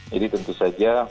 jadi tentu saja